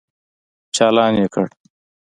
چالان يې کړ.